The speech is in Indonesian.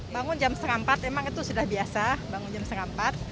bangun jam setengah empat emang itu sudah biasa bangun jam setengah empat